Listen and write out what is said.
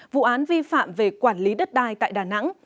vụ án vi phạm về quản lý đất đai tại đà nẵng